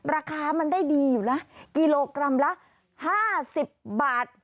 ราคามันได้ดีอยู่นะกิโลกรัมละ๕๐บาท